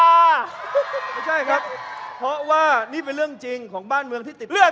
อเจมส์ไม่ใช่ครับเพราะว่านี่เป็นเรื่องจริงของบ้านเมืองที่ติดต่อความร่วมมือ